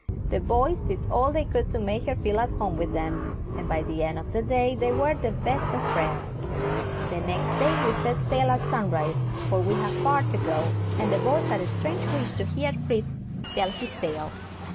The boys did all they could to make her feel at home with them, and by the end of the day they were the best of friends. The next day we set sail at sun rise; for we had far to go, and the boys had a strange wish to hear Fritz tell his tale.